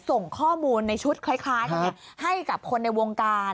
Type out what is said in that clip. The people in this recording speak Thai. ส่งข้อมูลในชุดคล้ายให้กับคนในวงการ